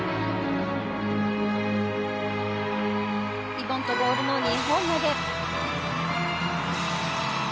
リボンとボールの２本投げ。